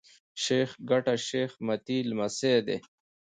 شېخ کټه شېخ متي لمسی دﺉ.